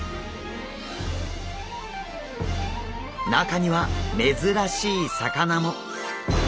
中には珍しい魚も。